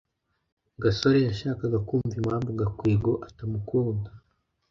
gasore yashakaga kumva impamvu gakwego atamukunda